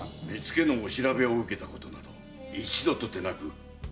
目付のお調べを受けたことなど一度とてなく。